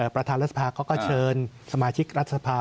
ประธานรัฐสภาเขาก็เชิญสมาชิกรัฐสภา